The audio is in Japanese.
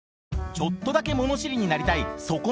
ちょっとだけ物知りになりたいそこのあなた！